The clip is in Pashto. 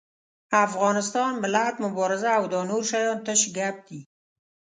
افغانستان، ملت، مبارزه او دا نور شيان تش ګپ دي.